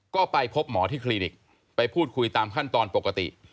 ก็ไปพบหมอที่คลินิกไปพูดคุยตามขั้นตอนปกติ